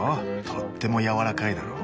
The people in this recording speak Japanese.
とっても柔らかいだろう？